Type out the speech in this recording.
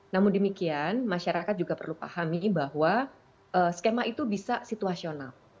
namun demikian masyarakat juga perlu pahami bahwa skema itu bisa situasional